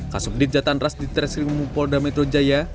kasus subdit jatanras direktorat kriminal umum polda metro jaya